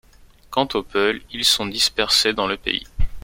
Quant aux Peuls, ils sont dispersés dans le pays.